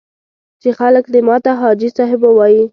چې خلک دې ماته حاجي صاحب ووایي.